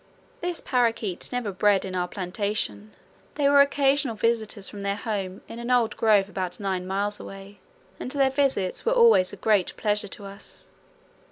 This paroquet never bred in our plantation; they were occasional visitors from their home in an old grove about nine miles away, and their visits were always a great pleasure to us.